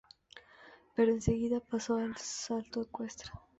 Pero enseguida pasó al salto ecuestre.